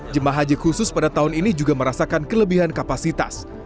jemaah haji khusus pada tahun ini juga merasakan kelebihan kapasitas